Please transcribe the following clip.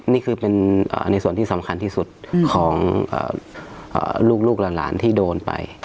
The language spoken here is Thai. นี่คือเป็นอ่าในส่วนที่สำคัญที่สุดอืมของอ่าลูกลูกหลานหลานที่โดนไป